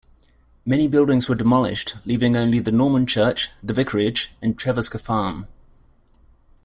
Many buildings were demolished leaving only the Norman church, the Vicarage, and Trevisker Farm.